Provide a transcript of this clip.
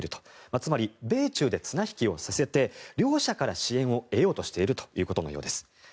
つまり、米中で綱引きをさせて両者から支援を得ようとしているということのようです。